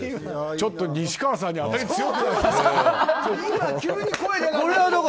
ちょっと西川さんに当たり、強くないですか。